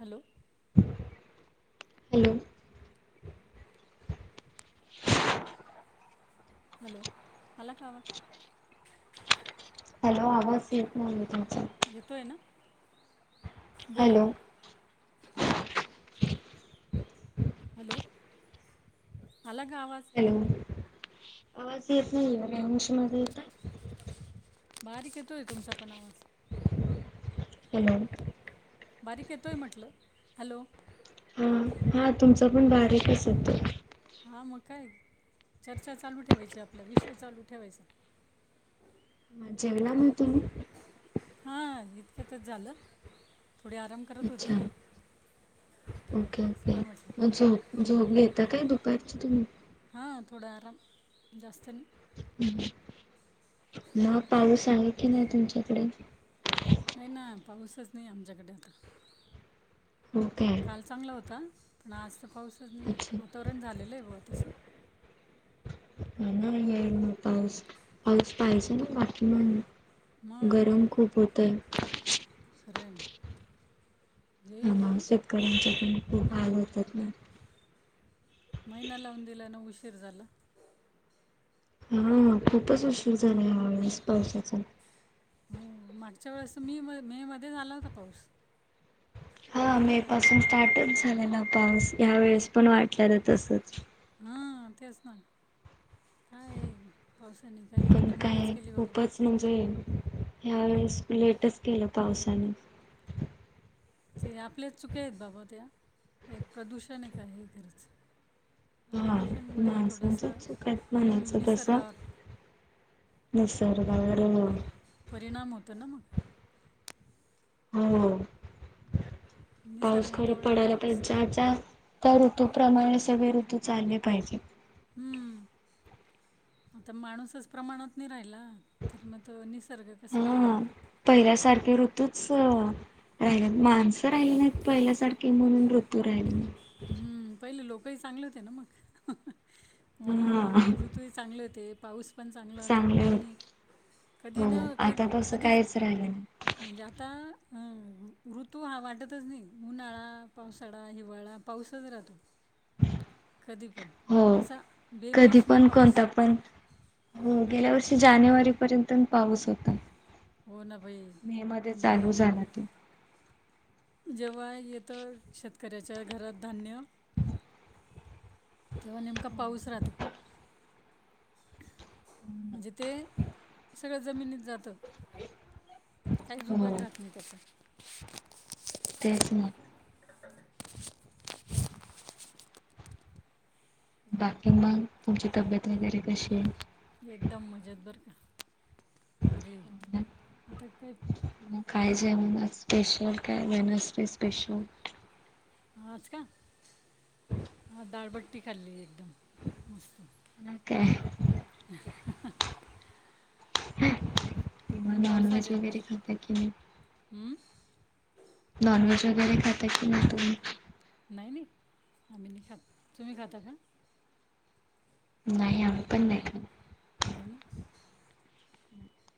Hello hello. [inaudible] Hello, आला का आवाज? हॅलो, आवाज येत नाही तुमचा. येतोय ना? बोला हॅलो. हॅलो, आला का आवाज? हॅलो, आवाज येत नाही रेंज मध्ये येता. बारीक येतोय तुमचा पण आवाज. हलो. बारीक येतोय म्हटलं. हॅलो हा, हा तुमचा पण बारीकच येतो. हा मग काय, चर्चा चालू ठेवायची आपला विषय चालू ठेवायचा. जेवला मग तुम्ही? हा इतक्यातच झालं. थोडी आराम करत होती. अच्छा ओके, चला म्हटलं ओके, झोप -झोप घेता काय दुपारची तुम्ही? हां थोडं आराम, जास्त नाही. म पाऊस आहे की नाही तुमच्याकडे? नाही ना पाऊसच नाही आमच्याकडे, हो काय काल चांगला होता. पण आज तर पाऊसच नाही, अच्छा वातावरण झालेलं आहे ब तसं. ना ये ना पाऊस, पाऊस पाहिज ना बाकी मग गरम खूप होतंय मग- मग, खरंयना. शेतकऱ्यांच्या पण खूप हाल होतात. महिना लाऊन दिला आणि उशीर झाला. हा खूपच उशीर झाला या वळेस पावसाचा. हो मागच्या वेळेस मे मे मध्ये झाला होता पाऊस. हा माहिती मे होता का पासून स्टार्टच झालेला पाऊस. ह्या वेळेस पण वाटलेल तसच. हा तेच ना काय पावसाने काही पण कमालच काय केली बाबा खूपच म्हणजे ह्यावेेळेस लेटच केल पावसाने. ते आपल्याच चुक्या आहेत बाबा त्या, प्रदूषण आहे काय हे खरच. हा प्रदूषणमुळे थोडस माणसांच्या चुक आहेत हम्म म्हणायचं तसं निसर्गावर निसर्गावर [unintelligible] परिणाम होतो ना मग. हो निसर्ग पाऊस मग खर तेवढा पडायला तर ज्या ज्या त्या ऋतूप्रमाणे सगळे ऋतू चालले पाहिजेत. हम्म, [inaudible] आता माणूसच प्रमाणात नाही राहिला तर मग तो निसर्ग कस काय हा पहिल्यासारखे ऋतूच राहिले, माणस राहिली नाहीत पहिल्यासारखे म्हणून ऋतू [unintelligible] हम्म पहिले लोकही चांगले होते ना मग म्हणून हा ऋतू तूही चांगले होते पाऊस पण चांगल होत चांगले आणि हो कधीन आता तसं कधीच काहीच राहिलं नाही. म्हणजे आता ऋतू हा वाटतच नाही. उन्हाळा, पावसाळा, हिवाळा. पाऊसच राहतो, कधी पण हो असा कधी बेमोसमी पण पाऊस. कोणता पण गेल्या वर्षी जानेवारी पर्यंत पाऊस होता. हो ना बाई. मे मध्ये चालू म्हणजे झाला तो. जेव्हा येत शेतकऱ्याच्या घरात धान्य तेव्हा नेमका पाऊस राहतो. म्हणजे ते सगळ जमिनीत जात. काहीच उपयोग हो राहत नाही त्याचा. तेचन. बाकी मग तुमची तब्येत वगैरे कशी आहे? एकदम मजेत बर का भारी आहे आता काय हम् काय जेवणात स्पेशल काय वेनस्डे स्पेशल. आज का दाळबट्टी खाल्ली एकदम. मस्त मग काय मग नॉनव्हेज पावसाते ना वगैरे खाता की नाही? हम्म नॉनव्हेज वगैरे खात की नाही तुम्ही? नाही नाही आम्ही नाही खात. तुम्ही खाता का? नाही आम्ही पण नाही खात. नाही ना.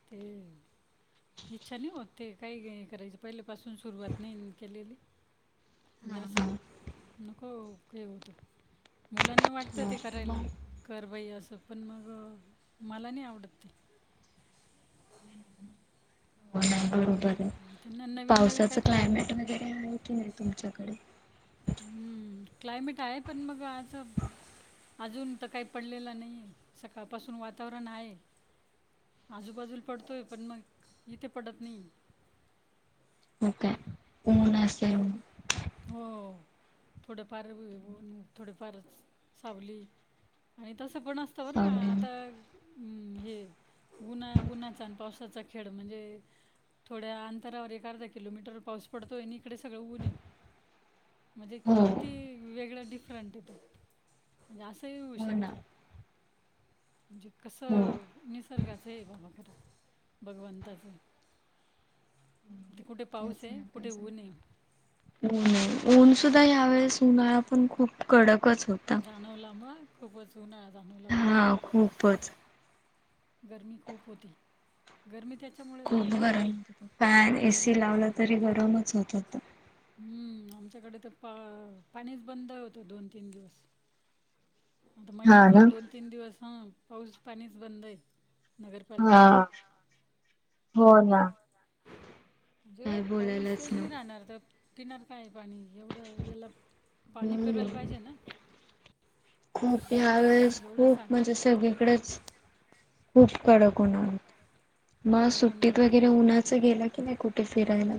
ते इच्छा नाही होत ते काही करायची. पहिले पासून सुरुवात नाही केलेली म्हणजे हा अस नको का [unintelligible] होत मुलांना वाटत ते हा करायला. मग कर बाई अस पण मग मला नाही आवडत ते. हो नाही बरोबर आहे, त्यांना नवीन नवीन पावसाच काहीतरी क्लायमेट वगैरे आहे की नाही तुमच्याकडे? हम्म क्लायमेट आहे पण मग आस अजून तर काही पडलेला नाहीये. सकाळपासून वातावरण आहे. आजूबाजूला पडतोय पण मग इथे पडत नाही. हो काय, ऊन असेन? हो, थोडेफार ऊ ऊन, थोडेफार स सावली. आणि तसं पण असतं बरं का, सावलीन आता उम, हे उन्हा उन्हाचान पावसा त्याचा खेळ म्हणजे थोड्या अंतरावर एक अर्धा किलोमीटरवर पाऊस पडतोय आणि इकडे सगळं ऊन आहे. म्हणजे हो किती हो वेगळं डिफरंट येतो म्हणजे असंही होऊ ना शकतं, म्हणजे हो कसं निसर्गाचं आहे बाबा खरं, भगवंताचं. ते कुठे पाऊस तेच आहे, ना काय कुठे ऊन सांग ये. ऊन ऊनसुुद्धा यावेेळेस उन्हाळा पण खूप कडकच होता. आणवला मग खूपच उन्हाळा जाणवला बाबा. हा खूपच.. गर्मी खूप होती. गर्मी त्याच्यामुळे ना खूप मग गरम, फॅन, एसी आणि लावला तरी गरमच होत होतं. हम्म, आमच्याकडे तर पा पाणीच बंद होतं, दोन-तीन दिवस. आता हा ना महिन्यातून दोन-तीन दिवस हं, पाऊस पाणीच बंद आहे. नगरपालिकेचं हा हो... ना होय का? म्हणजे काय पाऊसच बोलायलाच नाही नको राहणार तर पिणार काय पाणी एवढं वेळत पाणी हम्म पिरवायला पाहिजे ना? खूप ह्या वेळेस जेवढा खूप म्हणजे साठा सगळीकडेच खूप कडक उन्हाळा होता, मग कडक उन्हाळा सुट्टीत होता वगैरे बरोबर उन्हाच गेला की नाही कु कुठे फिरायला?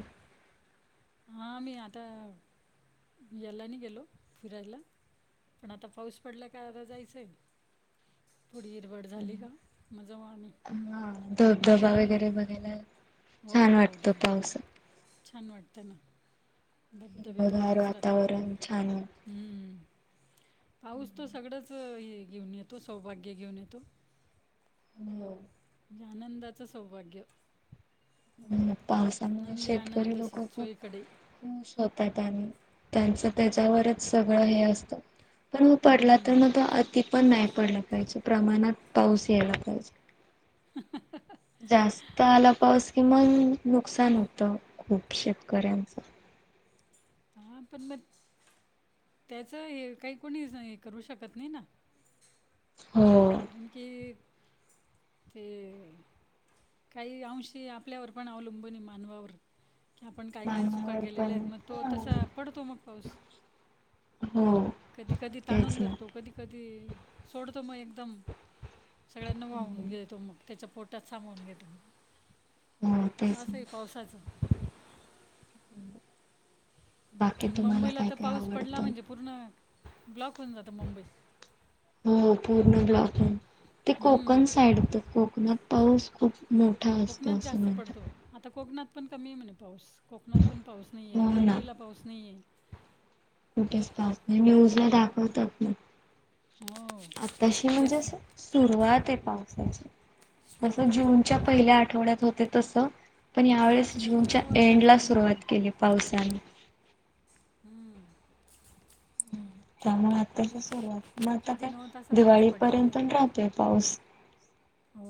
हां, मी आता याला नाही गेलो, फिरायला. पणं आंता पाऊस पडलां कां आंता गावांंले जायचंय. मग जाऊ आम्ही हम्मं हां मागे धबधबा आम्ही वगैरें बघांयला आहे. छान वाटतं पावसात छांन वाटतं नां, धबधबे तरं हिरवगार भारीचं वातावरण छान राहतांत. पाऊस तो सगळंच हे घेऊंन येतो सौभाग्य घेऊंन येतो. मं. म्हणजे आनंदाचं सौभाग्य. अ पावसामुळे आनंदी आनंद शेतकरी लोक असं खूप चोहीकडे. खुश होतांत आणि त्यांचं त्यांच्यावरचं सगळं हे असतं. पणं पडलां तरं हम्म. मंग अति पणं नाहीं पडलां पाहिजे प्रमाणांत पाऊस यांयला पाहिजे. हं हं हं हं जास्त आला पाऊस कि मंग नुकसान होतं खूप शेतकऱ्यांचं. हां पणं, त्यांचं हे कांहीं कोणी करूं शकतं नाहीं नां. हो. कारणं की ते... कांहीं अंशी आपल्यांवरं पणं अवलंबून मानवां वरं. की आपण काय काय चुका मामावर केलेल्या आहेत मग तो पण तसा पडतो मग पाऊस. हो कधीं कधीं ताणूंन तेच ना धरतो. कधीं कधीं सोडतो मगं एकदंम सगळ्यांना हो वाहूंन घेतो मगं. त्याच्या पोटात सामवून घेत. हो तेच ना [inaudible] पावसाचं. बाकी आणि तुम्हाला मुंबईला काय तर काय पाऊस पडला आवडतं म्हणजे पूर्ण ब्लॉक होऊन जातं मुंबई. हो पूर्ण ब्लॉक, ते हम्म कोकण साईड येतं कोकणात. पाऊस खूप [inaudible] कोकणात असं जास्त पडतो. म्हणतात आता कोकणात पण कमी ये म्हणे पाऊस कोकणात पण पाऊस नाही ये हो ना मुंबईला पाऊस नाही ये. कुठेच पाऊस नाही, न्यूज ला दाखवतात ना. हो आताशी म्हणजे तेच ना असं सुरुवात ये पावसाची. जसं सुरुवात आहे ना जूनच्या तेच पहिल्या ना आठवड्यात होते तसऽ पण यावेेळेस कधी जूनच्या नव्वत एंडला कधी सुरुवात केली ये पावसाने. हम्म, त्यामुळे आताशी सुरुवात, मग आता कधी काय, नव्वत असा पाऊस पडलेला दिवाळीपर्यंत राहतोय पाऊस. हा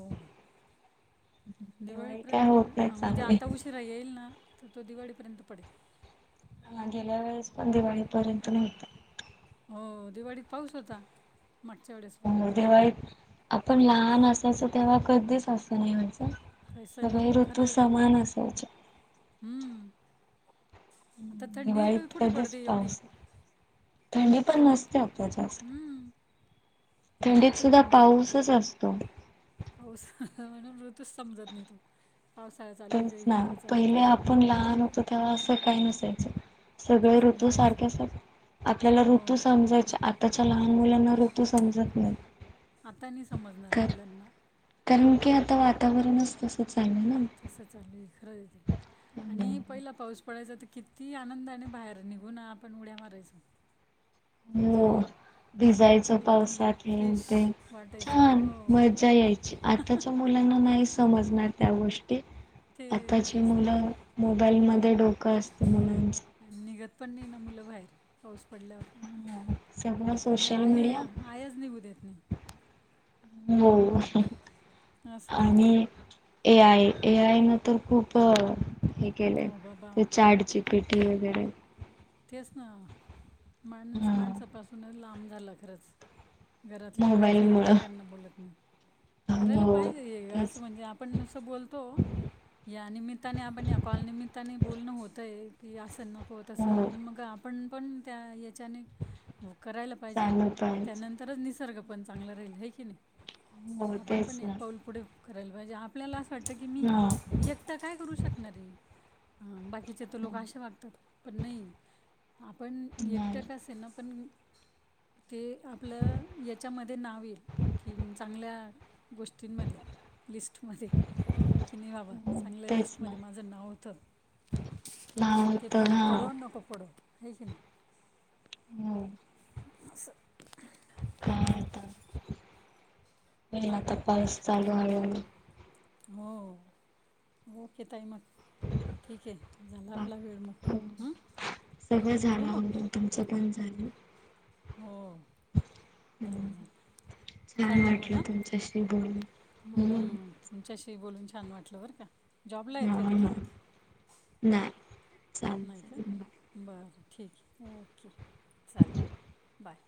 दिवाळी काय दिवाळीपर्यंत होत ये नाही हा म्हणजे चांगली. आता उशीरा - उशीरा येईलना तर तो दिवाळीपर्यंत पडेल. गेल्या वेळेस पण दिवाळी पर्यंत नवता. हो, दिवाळीत पाऊस होता, मागच्या वेळेस पण. हो दिवाळीत आपण लहान असायचो तेव्हा कधीच असं नाही व्हायचं. काय सनी सगळे खरं ऋतू आहे ते समान असायचे. हं. आता थंडी तरी दिवाळीत कुठे कधीच पडते एवढी. पाऊस पण थंडी नसते आता जास्त. हम्म. थंडीत सुद्धा पाऊसच असतो. पाऊस म्हणून ऋतूच समजत नाहीत पावसाळा चालू ये का तेच ना हिवाळा चालू ये. पहिले आपण लहान होतो तेव्हा असं काही नसायचं. सगळे तसं नाही ऋतू राहायचं सारखे आसतात, आपल्याला ऋतू हो समजायचे, आताच्या लहान मुलांनाऽ आता ऋतू समजत नाही, आता नाही समजणार खरं. मुलांना कारण की आता वातावरणच तसं चालंलय ना. कसं चालले खरंये ना. आणि पहिला पाऊस पडायचा तर किती आनंदाने बाहेर निघून ना आपण उड्या मारायचो. म्हणजे [inaudible] भिजायच एकदम पावसात हे फ्रेश ते वाटायचं छान हो मजा यायची, आताच मुलांना नाही समजणार त्या गोष्टी. ते आताची तेच ना मुलं, मोबाईल मध्ये डोकं असतं मुलांच. निघत पण नाही ना मुलं बाहेर. पाऊस पडल्यावर, हा, सगळं आणि सोशल मीडिया आईया आयाच निघू देत नाही. हो, असं आणि ए आय, ए आय न तर खूप हे केलेय, हो ते बाबा chat G P P T वगैरे. तेच ना, माणूस हा माणसापासूनच लांब झाला खरंच. घरातले मोबाईल माणसं मुळं एकमेकांना बोलत नाहीत, करायला हो पाहिजे असं तेच म्हणजे आप- आपण नुस बोलतो. या निमित्ताने, आपण या कॉल निमित्ताने बोलणं होत ये की असं न होय असं हो मग आपन पण त्या ह्याच्याने करायला पायजे चालू पाहिजे त्यानं तरच निसर्ग पण चांगला राहील, आहे की नाही, हो आपण तेच पण ना एक पाऊल पुढेऽ करायला पाहिजे, आपल्याला असं वाटतं की मी हा एकटा काय करू शकणारे हे बाकीचे तर लोक असे वागतात. पण नाही. आपण नाही एकट असना पण ते आपलं याच्यामध्ये नाव ऐल की मी चांगल्या गोष्टींमध्ये लिस्टमध्ये कि नाही बाबा हो चांगल्या तेच लिस्टमध्ये ना माझं नाव होत. लहान ते होत फरक हा पडो, नको पडो, हे की नाही. हो अस काय आता होईल आता पाऊस चालू हळुहळु. हो ओके ताई मग ठीक आहे झाला बा आपला वेळ मग हम ठेवू मग. तूमचं पण झालं? हो झालं, हम्म झालं छान चालेल मग वाटलं तुमच्याशी बोलून हो हम्म. तुमच्याशी बोलून छान वाटलं बरं का! जॉबला आहेत का ह तुम्ही नाय नाही का बरं ठीक आहे. ओके चालेल बाय